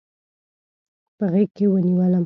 په غیږکې ونیولم